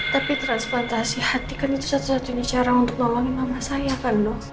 tapi transplantasi hati kan itu satu satunya cara untuk nolongin mama saya kan dong